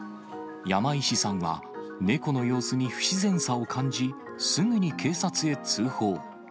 山石さんは、猫の様子に不自然さを感じ、すぐに警察へ通報。